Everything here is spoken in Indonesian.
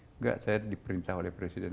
enggak saya diperintah oleh presiden